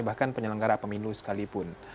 bahkan penyelenggara pemilu sekalipun